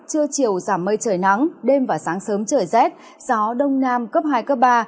trưa chiều giảm mây trời nắng đêm và sáng sớm trời rét gió đông nam cấp hai cấp ba